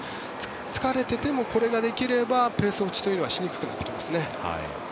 疲れててもこれができればペース落ちというのはしにくくなってきますね。